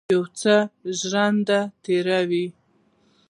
یو څه ژرنده تېره وه.